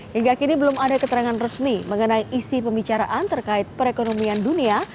hingga kini belum ada keterangan resmi mengenai isi pembicaraan terkait perekonomian dunia